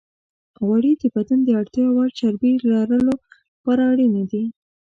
غوړې د بدن د اړتیا وړ چربی لرلو لپاره اړینې دي.